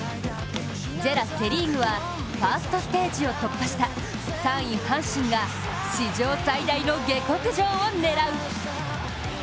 セ・リーグはファーストステージを突破した３位・阪神が、史上最大の下克上を狙う。